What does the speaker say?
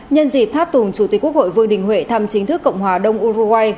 nhân dịp tháp tùng chủ tịch quốc hội vương đình huệ thăm chính thức cộng hòa đông uruguay